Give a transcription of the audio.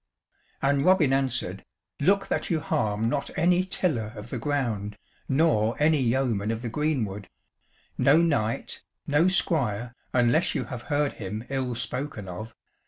And Robin answered: "Look that you harm not any tiller of the ground, nor any yeoman of the greenwood no knight, no squire, unless you have heard him ill spoken of.